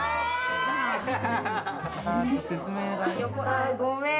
あごめん。